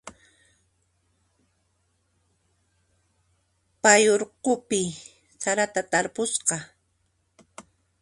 Pay urqupi sarata tarpusqa.